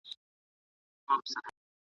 خو انار به تر ماڼۍ راوړې پخپله